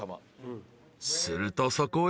［するとそこへ］